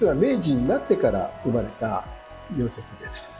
実は明治になってから生まれたんです。